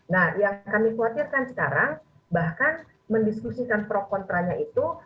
nah yang kami khawatirkan sekarang bahkan mendiskusikan pro kontranya itu